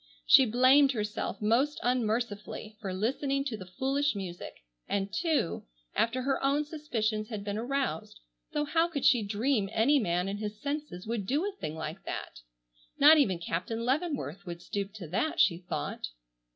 She blamed herself most unmercifully for listening to the foolish music and, too, after her own suspicions had been aroused, though how could she dream any man in his senses would do a thing like that! Not even Captain Leavenworth would stoop to that, she thought.